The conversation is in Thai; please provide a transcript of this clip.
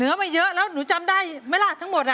ไม่เยอะแล้วหนูจำได้ไหมล่ะทั้งหมด